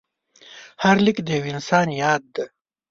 هر لیک د یو انسان یاد دی.